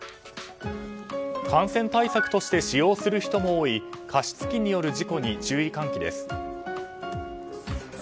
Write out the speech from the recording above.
感染対策として使用する人も多い加湿器による事故に注意喚起です。